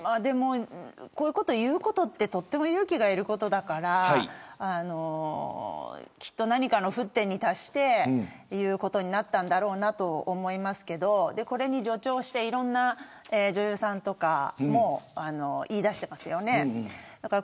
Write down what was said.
こういうこと言うことはとっても勇気がいることだから何かの沸点に達して、言うことになったんだろうなと思いますけどこれに助長していろんな女優さんとかも言い出していますよね。